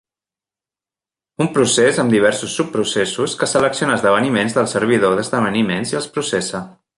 Un procés amb diversos subprocessos que selecciona esdeveniments del servidor d'esdeveniments i els processa.